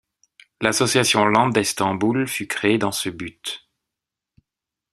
L'association Lambdaistanbul fut créée dans ce but.